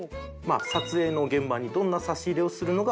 撮影の現場にどんな差し入れをするのがベストなのか